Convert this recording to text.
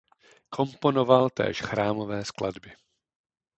Komponoval též chrámové skladby.